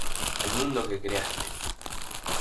el mundo que creaste.